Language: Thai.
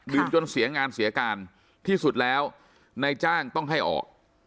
จนเสียงานเสียการที่สุดแล้วนายจ้างต้องให้ออก